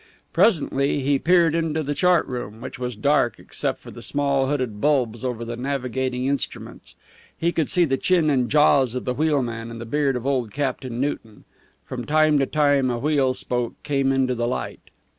Presently he peered into the chart room, which was dark except for the small hooded bulbs over the navigating instruments. He could see the chin and jaws of the wheelman and the beard of old Captain Newton. From time to time a wheel spoke came into the light.